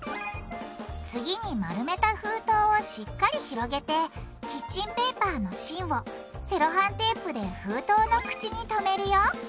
次に丸めた封筒をしっかり広げてキッチンペーパーの芯をセロハンテープで封筒の口にとめるよ。